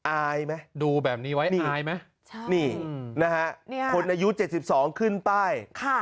อายไหมดูแบบนี้ไว้นี่อายไหมนี่นะฮะคนอายุ๗๒ขึ้นป้าย